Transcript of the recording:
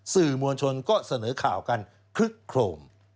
สื่อมวลชนก็เสนอข่าวกันคลึกโครม